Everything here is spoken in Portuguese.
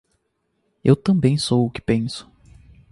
Eu também sou o que penso.